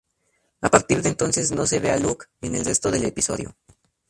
A partir de entonces no se ve a Luke en el resto del episodio.